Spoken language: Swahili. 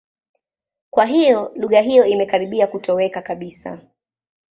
Kwa hiyo, lugha hiyo imekaribia kutoweka kabisa.